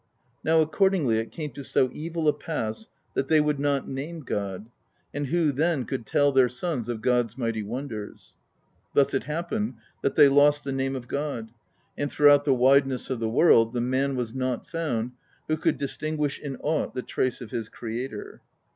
Now accordingly it came to so evil a pass that they would not name God; and who then could tell their sons of God's mighty wonders ? Thus it happened that they lost the name of God; and throughout the wideness of the world the man was not found who could distinguish in aught the trace of his Creator.